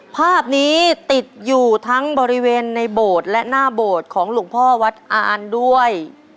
ภาพนี้ติดอยู่ทั้งบริเวณในโบสถ์และหน้าโบสถ์ของหลวงพ่อวัดอ่านด้วย